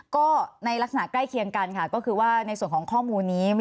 ก็ในลักษณะใกล้เคียงกันค่ะก็คือว่าในส่วนของข้อมูลนี้